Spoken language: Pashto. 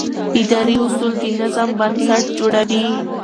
اداري اصول د نظم بنسټ جوړوي.